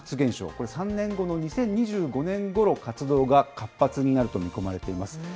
これ、３年後の２０２５年ごろ、活動が活発になると見込まれています。